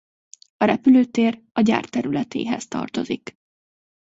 A repülőtér a gyár területéhez tartozik.